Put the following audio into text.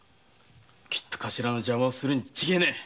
カシラの邪魔をするに違いねえ！